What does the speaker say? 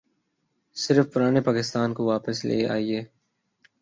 صرف پرانے پاکستان کو واپس لے آئیے۔